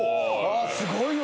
「すごいわ！」